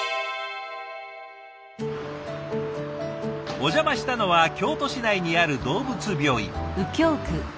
お邪魔したのは京都市内にある動物病院。